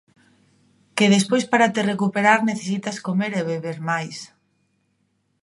Que despois para te recuperar necesitas comer e beber máis.